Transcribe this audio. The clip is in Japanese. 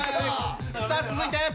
さあ続いて。